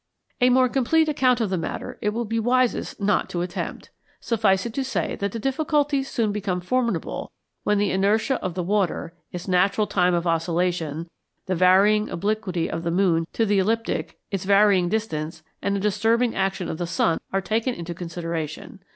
A more complete account of the matter it will be wisest not to attempt: suffice it to say that the difficulties soon become formidable when the inertia of the water, its natural time of oscillation, the varying obliquity of the moon to the ecliptic, its varying distance, and the disturbing action of the sun are taken into consideration.